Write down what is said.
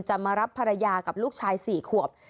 มารับภรรยากับลูกชาย๔ขวบ